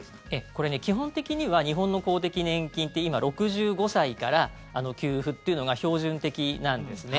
これ、基本的には日本の公的年金って今、６５歳から給付っていうのが標準的なんですね。